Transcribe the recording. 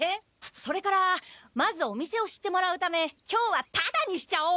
それからまずお店を知ってもらうため今日はタダにしちゃおう！